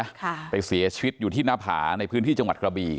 ค่ะไปเสียชีวิตอยู่ที่หน้าผาในพื้นที่จังหวัดกระบี